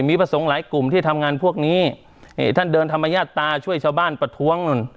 มีพระสงฆ์หลายกลุ่มที่ทำงานพวกนี้นี่ท่านเดินธรรมญาตาช่วยชาวบ้านประท้วงนู่น